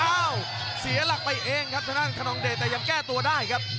อ้าวเสียหลักไปเองครับทางด้านคนนองเดชแต่ยังแก้ตัวได้ครับ